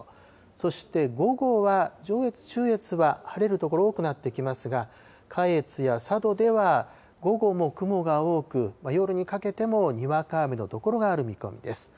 そして午後は、上越、中越は晴れる所多くなってきますが、下越や佐渡では午後も雲が多く、夜にかけてもにわか雨の所がある見込みです。